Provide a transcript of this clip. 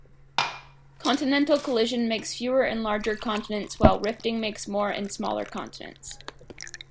Continental collision makes fewer and larger continents while rifting makes more and smaller continents.